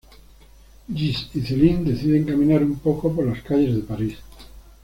Jesse y Celine deciden caminar un poco por las calles de París.